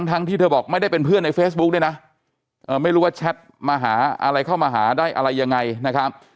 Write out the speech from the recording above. ทั้งที่เธอบอกไม่ได้เป็นเพื่อนในเฟซบุ๊กด้วยนะไม่รู้ว่าแชทมาหาอะไรเข้ามาหาได้อะไรยังไงนะครับ